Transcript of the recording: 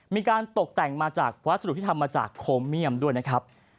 มีการตกแต่งมาจากวัสดุที่ทำมาจากโคเมียมด้วยนะครับ